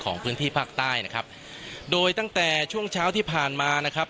พื้นที่ภาคใต้นะครับโดยตั้งแต่ช่วงเช้าที่ผ่านมานะครับ